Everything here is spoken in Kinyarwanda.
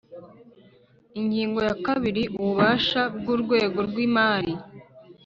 Ingingo ya kabiri Ububasha bw urwego rw imari